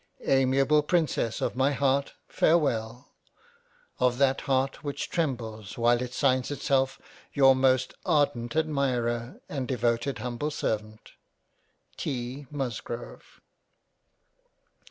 Amiable princess of my Heart farewell — Of that Heart which trembles while it signs itself your most ardent Admirer and devoted humble serv? • T. Musgrove.